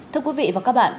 thưa quý vị và các bạn